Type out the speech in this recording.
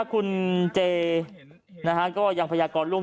คุณเจนะคะก็ยังพยากรรม